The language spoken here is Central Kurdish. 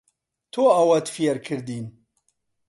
تۆ ئەوەت فێر کردین.